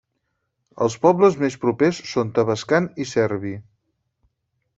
Els pobles més propers són Tavascan i Cerbi.